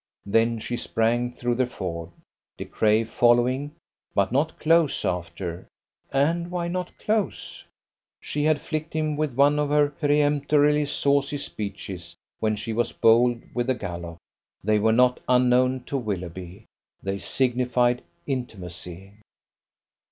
Then she sprang through the ford, De Craye following, but not close after and why not close? She had flicked him with one of her peremptorily saucy speeches when she was bold with the gallop. They were not unknown to Willoughby. They signified intimacy.